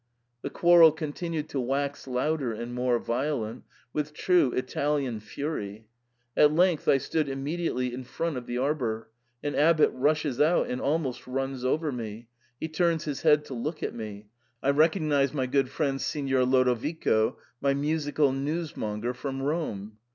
The quarrel continued to wax louder and more violent, with true Italian fury. At length I stood immediately in front of the arbour ; an abbot rushes out and almost runs over me ; he turns his head to look at me ; I recognise my good friend Signor Lodovico, my musical news monger from Rome.